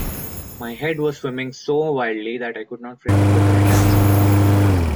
My head was swimming so wildly that I could not frame a coherent answer.